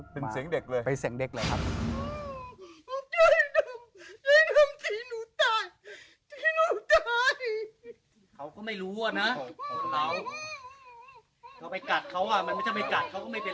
เป็นเสียงเด็กเลยครับเป็นเสียงเด็กเลยครับเป็นเสียงเด็กเลย